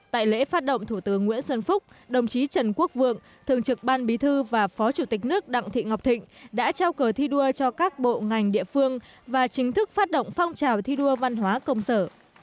tại lễ phát động thủ tướng nguyễn xuân phúc đồng chí trần quốc vượng thường trực ban bí thư và phó chủ tịch nước đặng thị ngọc thịnh đã trao cờ thi đua cho các bộ ngành địa phương và chính thức phát động phong trào thi đua văn hóa công sở